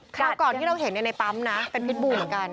ราวก่อนที่เราเห็นในปั๊มนะเป็นพิษบูเหมือนกัน